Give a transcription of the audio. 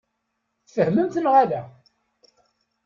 Tfehmemt neɣ ala?